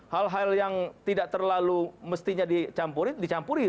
hal hal yang tidak terlalu mestinya dicampurin dicampurin